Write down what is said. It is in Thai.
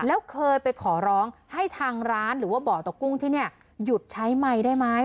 แล้วเคยไปขอร้องให้ทางร้านหรือว่าบ่อตกกุ้งที่นี่หยุดใช้ไมค์ได้ไหม